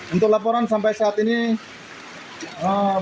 untuk laporan sampai saat ini belum ada